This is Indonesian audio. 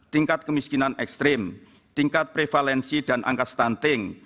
tingkat kemiskinan ekstrim tingkat prevalensi dan angka stunting